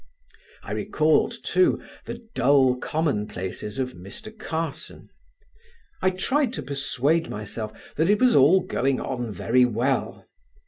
I recalled too the dull commonplaces of Mr. Carson. I tried to persuade myself that it was all going on very well.